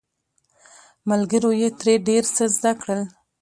ملګرو یې ترې ډیر څه زده کړل.